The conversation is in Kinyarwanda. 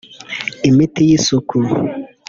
imiti y’isuku